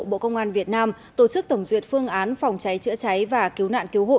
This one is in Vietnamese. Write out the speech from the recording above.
bộ công an việt nam tổ chức tổng duyệt phương án phòng cháy chữa cháy và cứu nạn cứu hộ